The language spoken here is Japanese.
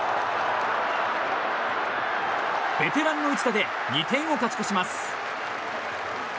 ベテランの一打で２点を勝ち越します。